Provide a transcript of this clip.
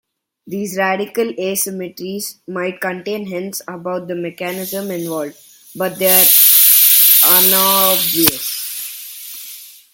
These radical asymmetries might contain hints about the mechanisms involved, but they are unobvious.